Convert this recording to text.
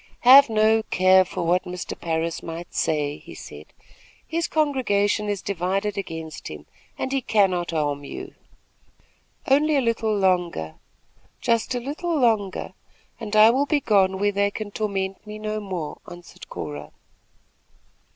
"Have no care for what Mr. Parris may say," he said. "His congregation is divided against him, and he cannot harm you." "Only a little longer, just a little longer, and I will be gone where they can torment me no more," answered Cora.